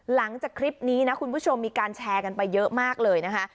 หลังจากคลิปนี้นะคุณผู้ชมมีการแชร์กันไปเยอะมากเลยนะคะ